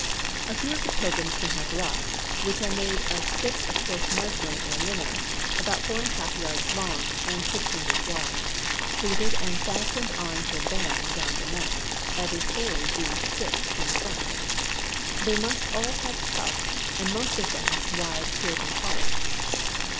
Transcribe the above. A few of the pilgrims can have ruffs, which are made of strips of coarse muslin or lino, about 4^ yards long and 6 inches wide, pleated and fastened on to a band round the neck, every fold being stitched in front. They must all have cuffs, and most of them, wide Puritan collars.